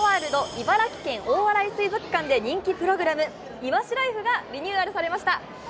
茨城県大洗水族館で人気プログラム「ＩＷＡＳＨＩＬＩＦＥ」がリニューアルされました。